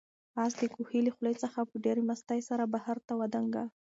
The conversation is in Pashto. آس د کوهي له خولې څخه په ډېرې مستۍ سره بهر ته ودانګل.